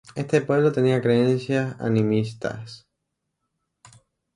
Este pueblo tenía creencias animistas.